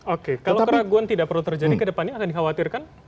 oke kalau keraguan tidak perlu terjadi ke depannya akan dikhawatirkan